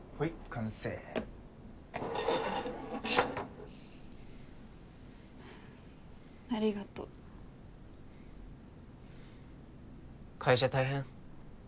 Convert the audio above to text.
完成ありがとう会社大変？